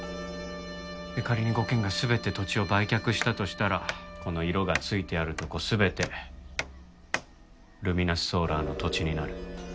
仮に５軒が全て土地を売却したとしたらこの色がついているとこ全てルミナスソーラーの土地になる。